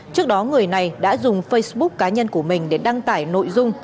trước đó người này đã dùng facebook cá nhân của mình để đăng tải nội dung